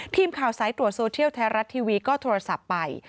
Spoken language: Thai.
ทีมข่าวสายตรวจโซเทียลไทยรัฐทีวีก็โทรศัพท์ไป